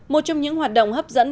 một trong những hoạt động hấp dẫn